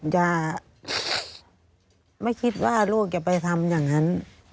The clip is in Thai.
จะไม่คิดว่าลูกจะไปทำอย่างนั้น